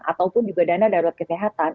ataupun juga dana darurat kesehatan